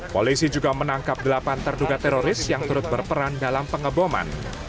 polisi juga menangkap delapan terduga teroris yang turut berperan dalam pengeboman